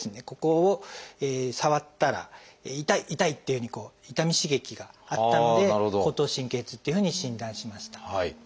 ここを触ったら「痛い痛い！」っていうふうに痛み刺激があったので後頭神経痛っていうふうに診断しました。